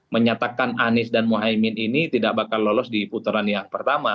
menyatakan anies dan mohaimin ini tidak bakal lolos di putaran yang pertama